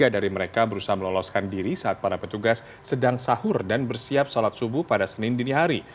tiga dari mereka berusaha meloloskan diri saat para petugas sedang sahur dan bersiap sholat subuh pada senin dini hari